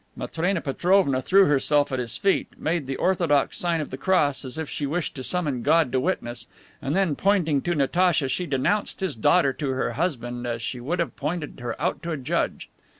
Matrena Petrovna threw herself at his feet, made the orthodox sign of the Cross, as if she wished to summon God to witness, and then, pointing to Natacha, she denounced his daughter to her husband as she would have pointed her out to a judge.